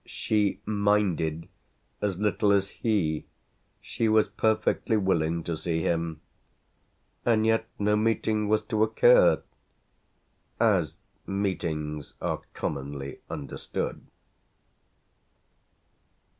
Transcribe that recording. She "minded" as little as he; she was perfectly willing to see him. And yet no meeting was to occur as meetings are commonly understood.